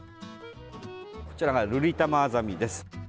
こちらがルリタマアザミです。